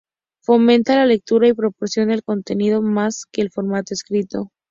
Fomenta la lectura y promociona el contenido más que el formato escrito.